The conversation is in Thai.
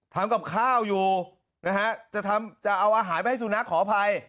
ทำกับข้าวอยู่นะฮะจะเอาอาหารไปให้สุนัขขออภัย